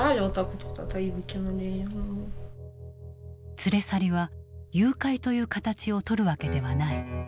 連れ去りは誘拐という形をとるわけではない。